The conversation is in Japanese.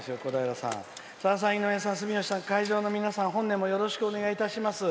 「さださん、井上さん、住吉さん会場の皆さん、本年もよろしくお願いいたします。